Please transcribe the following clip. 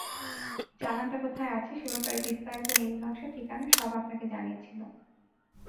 চালানটা কোথায় আছে সে ব্যাপারে বিস্তারিত নীলনকশা, ঠিকানা সব আপনাকে জানিয়েছিল।